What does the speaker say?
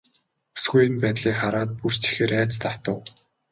Бүсгүй энэ байдлыг хараад бүр ч ихээр айдаст автав.